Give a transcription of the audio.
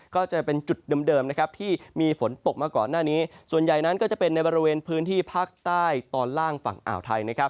ก็จะเป็นจุดเดิมนะครับที่มีฝนตกมาก่อนหน้านี้ส่วนใหญ่นั้นก็จะเป็นในบริเวณพื้นที่ภาคใต้ตอนล่างฝั่งอ่าวไทยนะครับ